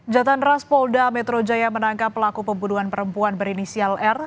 jatan ras polda metro jaya menangkap pelaku pembunuhan perempuan berinisial r